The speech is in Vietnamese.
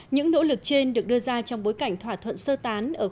những nỗ lực trên được đưa ra trong bối cảnh thỏa thuận sơ tán